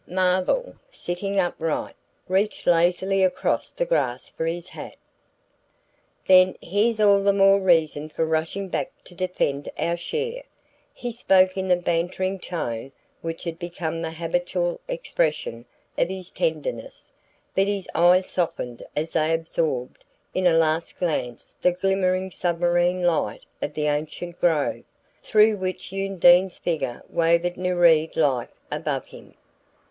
Marvell, sitting upright, reached lazily across the grass for his hat. "Then there's all the more reason for rushing back to defend our share." He spoke in the bantering tone which had become the habitual expression of his tenderness; but his eyes softened as they absorbed in a last glance the glimmering submarine light of the ancient grove, through which Undine's figure wavered nereid like above him.